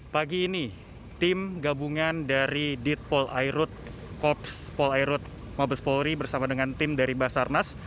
pagi ini tim gabungan dari ditpol airut korps polairut mabes polri bersama dengan tim dari basarnas